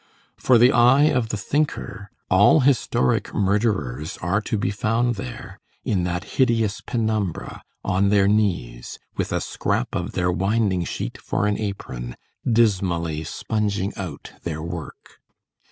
For the eye of the thinker, all historic murderers are to be found there, in that hideous penumbra, on their knees, with a scrap of their winding sheet for an apron, dismally sponging out their work.